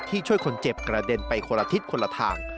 ช่วยคนเจ็บกระเด็นไปคนละทิศคนละทาง